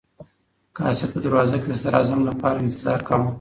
قاصد په دروازه کې د صدراعظم لپاره انتظار کاوه.